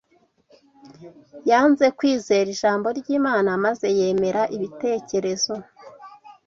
Yanze kwizera Ijambo ry’Imana maze yemera ibitekerezo